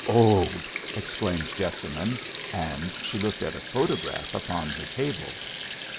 "Old!" exclaimed Jessamine. And she looked at a photograph upon her table.